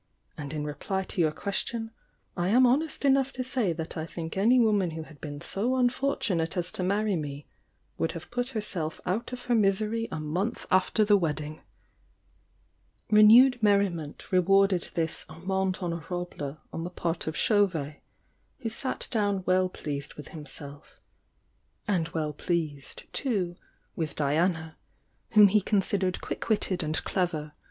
And in reply to your question, I am hon est enough to say that I think any woman who had been so unfortunate as to marry me, would have put herself out of her misery a month after the wed ding'" Renewed merriment rewarded this amende honor able on the part of Chauvet, who sat down weU pleased with himself— and well pleased, too, with Diana, whom he considered quick witted and clever.